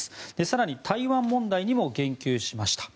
更に台湾問題にも言及しました。